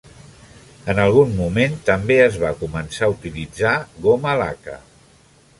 En algun moment també es va començar a utilitzar goma laca.